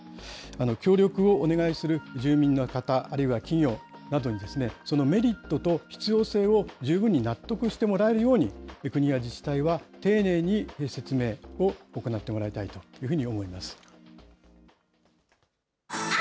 協力をお願いする住民の方、あるいは企業などに、そのメリットと必要性を十分に納得してもらえるように、国や自治体は丁寧に説明を行ってもらいたいというふうに思います。